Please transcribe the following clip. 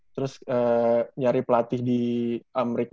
terus nyari pelatih di amerika